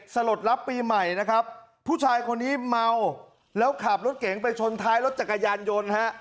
สลดรับปีใหม่นะครับผู้ชายคนนี้เมาแล้วขับรถเก๋งไปชนท้ายรถจักรยานยนต์ฮะ